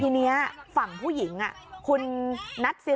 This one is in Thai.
เรียกว่าเป็นท็กซี่เจ้าที่